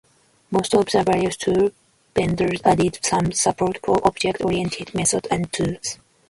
Most of the various tool vendors added some support for object-oriented methods and tools.